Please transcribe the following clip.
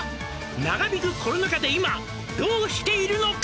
「長引くコロナ禍で今どうしているのか？」